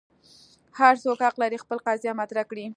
هر څوک حق لري خپل قضیه مطرح کړي.